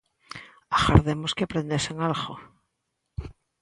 Agardemos que aprendesen algo.